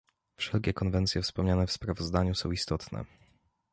Wszelkie konwencje wspomniane w sprawozdaniu są istotne